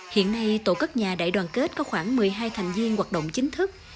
hiện nay tổ cất nhà đại đoàn kết có khoảng một mươi hai thành viên hoạt động chính thức